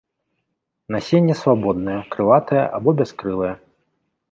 Насенне свабоднае, крылатае або бяскрылае.